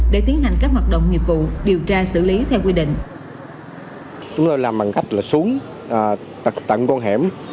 để tiến hành các hoạt động nghiệp vụ điều tra xử lý theo quy định